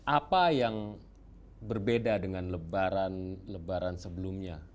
apa yang berbeda dengan lebaran lebaran sebelumnya